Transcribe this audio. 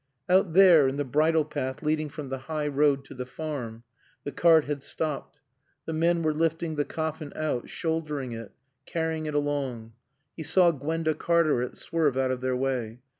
Out there, in the bridle path leading from the high road to the farm, the cart had stopped. The men were lifting the coffin out, shouldering it, carrying it along. He saw Gwenda Cartaret swerve out of their way.